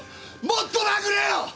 もっと殴れよ！